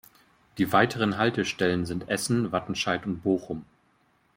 Die weiteren Haltestellen sind Essen, Wattenscheid und Bochum.